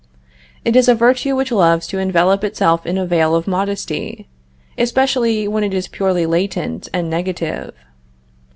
It is a virtue which loves to envelop itself in a veil of modesty, especially when it is purely latent and negative.